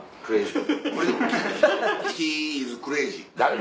ヒーイズクレイジー。